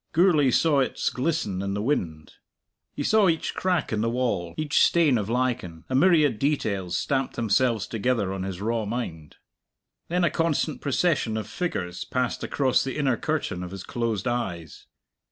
Gourlay saw its glisten in the wind. He saw each crack in the wall, each stain of lichen; a myriad details stamped themselves together on his raw mind. Then a constant procession of figures passed across the inner curtain of his closed eyes.